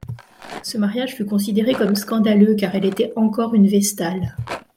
Ce mariage fut considéré comme scandaleux car elle était encore une Vestale.